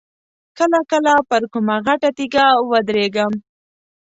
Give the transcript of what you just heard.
کله کله پر کومه غټه تیږه ودرېږم.